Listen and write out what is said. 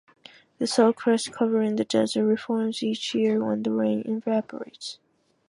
The salt crust covering the desert reforms each year when the rain evaporates.